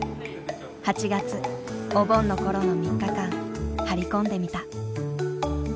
８月お盆の頃の３日間張り込んでみた。